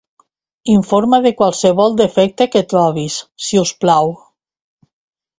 Informa de qualsevol defecte que trobis, si us plau.